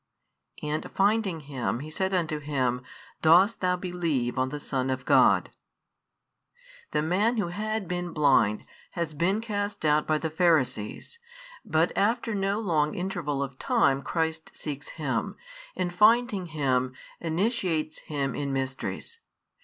And finding him, He said unto him, Dost thou believe on the Son of God? The man who had been blind has been cast out by the Pharisees, but after no long interval of time Christ seeks him, and finding him, initiates him. in mysteries.